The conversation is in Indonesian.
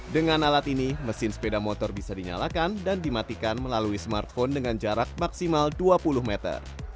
dengan alat ini mesin sepeda motor bisa dinyalakan dan dimatikan melalui smartphone dengan jarak maksimal dua puluh meter